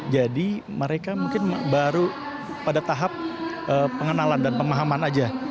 jadi mereka mungkin baru pada tahap pengenalan dan pemahaman aja